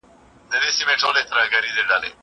زه له سهاره تمرين کوم؟!